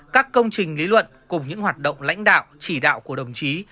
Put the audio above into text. các công trình lý luận cùng những hoạt động lãnh đạo chỉ đạo của đồng chí